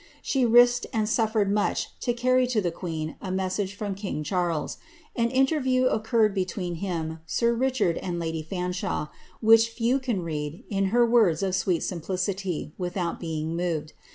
She risked and su fibred much to cany to the queoi a message from king Charles. An interview occurred between him, m Richard, and lady Fanshawe, which few can read, in her words of sweet simplicity, without being moved.